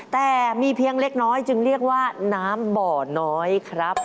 แต่มีเพียงเล็กน้อยจึงเรียกว่าน้ำบ่อน้อยครับ